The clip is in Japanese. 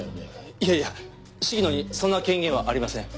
いやいや鴫野にそんな権限はありません。